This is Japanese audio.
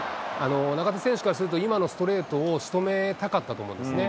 中田選手からすると、今のストレートをしとめたかったと思うんですね。